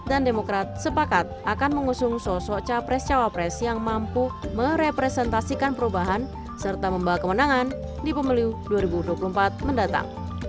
dan demokrat sepakat akan mengusung sosok capres capapres yang mampu merepresentasikan perubahan serta membawa kemenangan di pembeli dua ribu dua puluh empat mendatang